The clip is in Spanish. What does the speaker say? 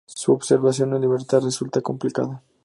Su observación en libertad resulta complicada.